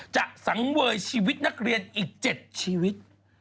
สังเวยชีวิตนักเรียนอีก๗ชีวิต